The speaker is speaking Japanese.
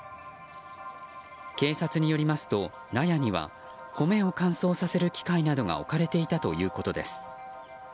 警察によりますと納屋には米を乾燥させる機械などが置かれていたということです。